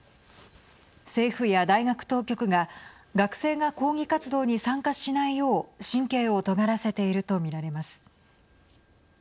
政府や大学当局が学生が抗議活動に参加しないよう神経をとがらせていると見られます。